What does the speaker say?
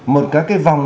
một cái cái vòng